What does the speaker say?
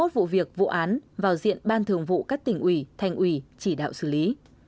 hai mươi vụ việc vụ án vào diện ban thường vụ các tỉnh ủy thành ủy chỉ đạo xử lý